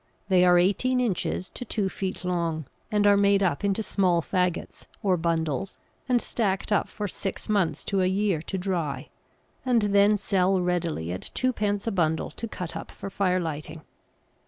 They are eighteen inches to two feet long, and are made up into small faggots or bundles and stacked up for six months to a year to dry, and then sell readily at twopence a bundle to cut up for fire lighting.